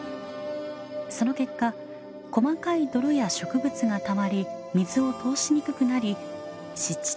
その結果細かい泥や植物がたまり水を通しにくくなり湿地となったのです。